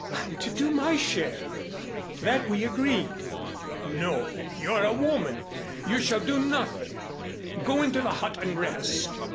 "I'm to do my share that we agreed " "No you're a woman. You shall do nothing go into the hut and rest."